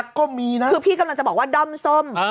ก็มีนะคือพี่กำลังจะบอกว่าด้อมส้ม